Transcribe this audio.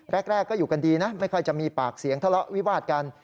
แรกก็อยู่กันดีนะไม่ค่อยจะมีปากเสียงทะเลาะวิวาดกัน